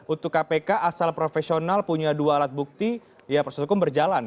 untuk kpk asal profesional punya dua alat bukti ya proses hukum berjalan